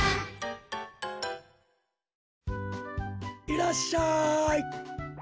いらっしゃい。